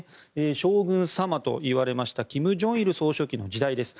将軍様といわれました金正日総書記の時代です。